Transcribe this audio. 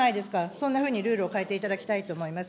そんなふうにルールを変えていただきたいと思います。